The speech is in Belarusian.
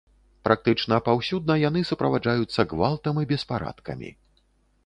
Практычна паўсюдна яны суправаджаюцца гвалтам і беспарадкамі.